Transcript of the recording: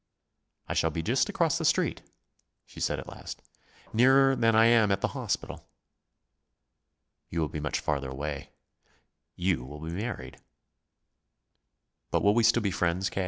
"I shall be just across the Street," she said at last. "Nearer than I am at the hospital." "You will be much farther away. You will be married." "But we will still be friends, K.?"